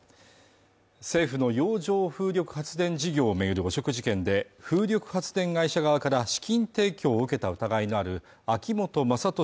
政府の洋上風力発電事業を巡る汚職事件で風力発電会社側から資金提供を受けた疑いのある秋本真利